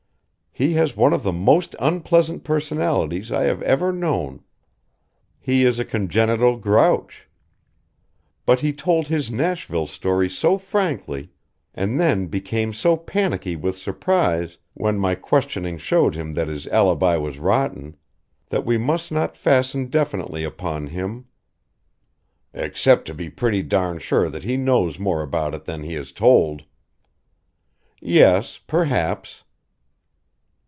He has one of the most unpleasant personalities I have ever known. He is a congenital grouch. But he told his Nashville story so frankly and then became so panicky with surprise when my questioning showed him that his alibi was rotten that we must not fasten definitely upon him "" Except to be pretty darn sure that he knows more about it than he has told." "Yes. Perhaps."